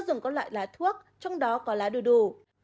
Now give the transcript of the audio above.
do dùng có loại lá thuốc trong đó có lá đu đủ